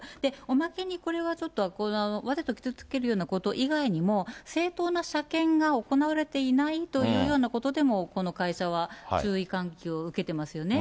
おまけにこれはちょっと、わざと傷つけること以外にも、正当な車検が行われていないというようなことでもこの会社は注意喚起を受けてますよね。